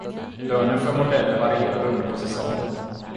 Lönen för modeller varierar beroende på säsong.